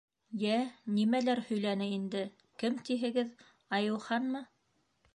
— Йә, нимәләр һөйләне инде, кем тиһегеҙ, Айыуханмы?